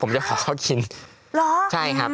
รอใช่ครับใช่ครับ